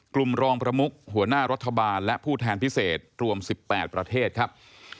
รองประมุกหัวหน้ารัฐบาลและผู้แทนพิเศษรวม๑๘ประเทศครับ